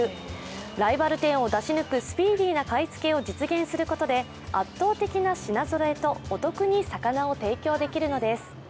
ライバル店を出し抜くスピーディーな買い付けを実現することで圧倒的な品ぞろえとお得に魚を提供できるのです。